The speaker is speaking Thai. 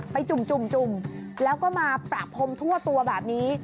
ไปจุ่มจุ่มจุ่มแล้วก็มาปรับพรมทั่วตัวแบบนี้